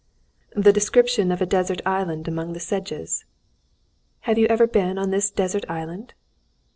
"The description of a desert island among the sedges." "Have you ever been on this desert island?"